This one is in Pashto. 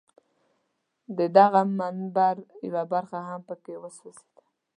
د دغه منبر یوه برخه هم په کې وسوځېده.